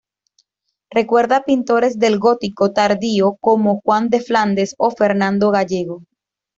Recuerda a pintores del gótico tardío, como Juan de Flandes o Fernando Gallego.